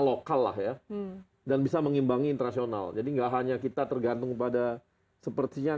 lokal lah ya dan bisa mengimbangi internasional jadi enggak hanya kita tergantung pada sepertinya